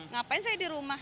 ngapain saya di rumah